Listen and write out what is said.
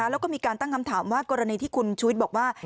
แล้วก็มีการตั้งคำถามว่ากรณีที่คุณชุวิตบอกว่า